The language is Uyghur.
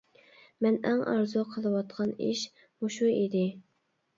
مەن ئەڭ ئارزۇ قىلىۋاتقان ئىش مۇشۇ ئىدى.